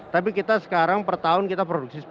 tapi kita sekarang per tahun kita produksi sepuluh